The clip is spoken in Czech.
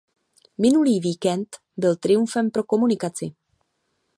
Minulý víkend byl triumfem pro komunikaci.